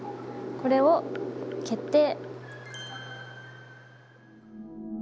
これを決定！